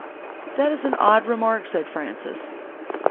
"That is an odd remark," said Frances.